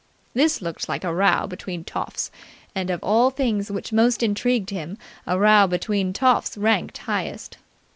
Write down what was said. This looked like a row between toffs, and of all things which most intrigued him a row between toffs ranked highest.